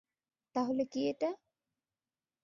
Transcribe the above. তাহলে কী এটা?